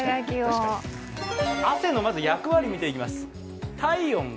汗の役割見ていきます。